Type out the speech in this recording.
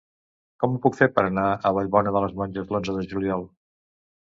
Com ho puc fer per anar a Vallbona de les Monges l'onze de juliol?